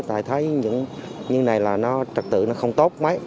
tài thấy những như này là nó trật tự nó không tốt mấy